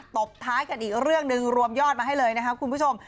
ตบท้ายกันอีกเรื่องหนึ่งรวมยอดมาให้เลยนะครับคุณผู้ชม